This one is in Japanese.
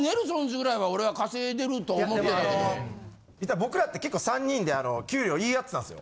・僕らって結構３人で給料言い合ってたんですよ。